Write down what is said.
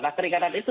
nah keringanan itu